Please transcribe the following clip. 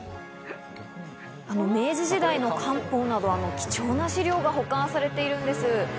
明治時代の官報など、貴重な資料が保管されているんです。